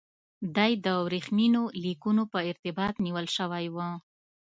دی د ورېښمینو لیکونو په ارتباط نیول شوی و.